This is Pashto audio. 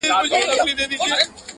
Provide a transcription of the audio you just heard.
دا مورچل- مورچل پکتيا او دا شېر برېتي-